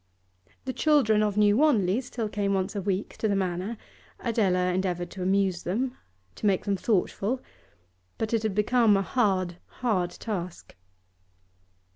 The children of New Wanley still came once a week to the Manor; Adela endeavoured to amuse them, to make them thoughtful, but it had become a hard, hard task.